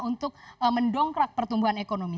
untuk mendongkrak pertumbuhan ekonomi